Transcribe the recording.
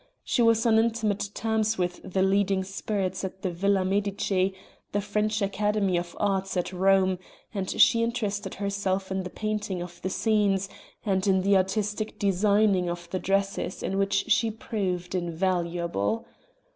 She was on intimate terms with the leading spirits at the Villa Medici the French Academy of Arts at Rome and she interested herself in the painting of the scenes, and in the artistic designing of the dresses in which she proved invaluable.